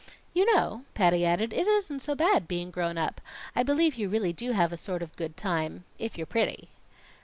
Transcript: You know," Patty added, "it isn't so bad, being grown up. I believe you really do have sort of a good time if you're pretty."